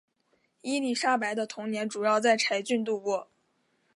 伊丽莎白的童年主要在柴郡度过。